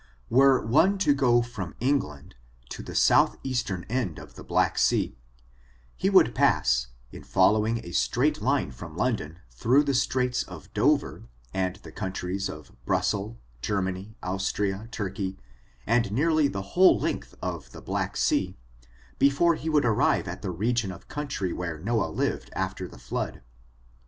Were one to go from England to the south eastern end of the Black Sea, he would pass, in following a straight line from London, through the straits of Dover, and the countries of Brussel, Germany, Austria, Turkey, and nearly the whole length of the Black Sea, before he would ar rive at the region of country where Noah lived after the flood.